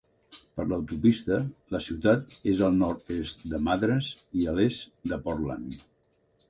Per l'autopista, la ciutat és al nord-est de Madras i a l'est de Portland.